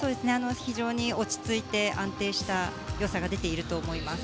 非常に落ち着いて安定したよさが出ていると思います。